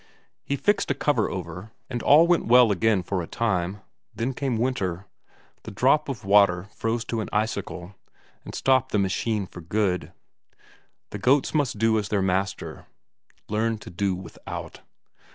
He fixed a cover over, and all went well again for a time; then came winter, the drop of water froze to an icicle, and stopped the machine for good. The goats must do as their master learn to do without.